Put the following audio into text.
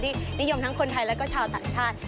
นิยมทั้งคนไทยและก็ชาวต่างชาติ